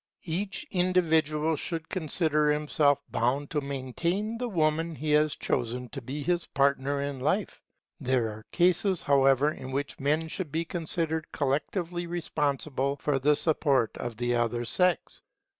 Each individual should consider himself bound to maintain the woman he has chosen to be his partner in life. There are cases, however, in which men should be considered collectively responsible for the support of the other sex.